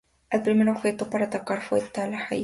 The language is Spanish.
El primer objetivo para atacar fue Tel Hai.